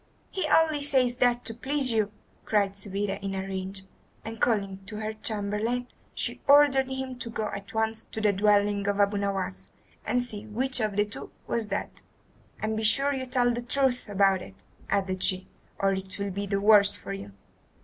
"He only says that to please you," cried Subida in a rage; and calling to her chamberlain, she ordered him to go at once to the dwelling of Abu Nowas and see which of the two was dead. "And be sure you tell the truth about it," added she, "or it will be the worse for you."